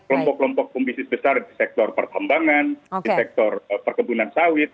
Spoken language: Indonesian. blok blok bisnis besar di sektor pertambangan di sektor perkebunan sawit